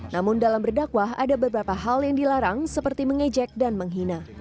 namun dalam berdakwah ada beberapa hal yang dilarang seperti mengejek dan menghina